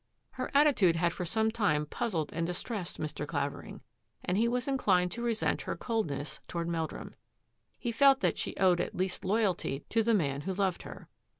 Her attitude had for some time puzzled and distressed Mr. Clavering and he was inclined to resent her coldness toward Meldrum. He felt that she owed at least loyalty to the man who loved her.